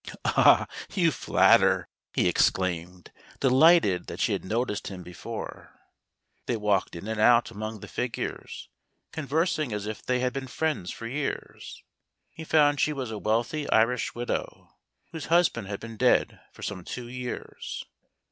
"Ah, you flatter!" he exclaimed, delighted that she had noticed him before. They walked in and out among the figures, con¬ versing as if they had been friends for years. He found she was a wealthy Irish widow, whose husband had been dead for some two years.